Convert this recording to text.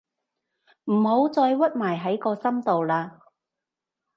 唔好再屈埋喺個心度喇